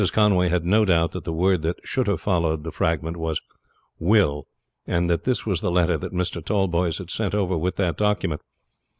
Conway had no doubt that the word that should have followed the fragment was "will," and that this was the letter that Mr. Tallboys had sent over with that document.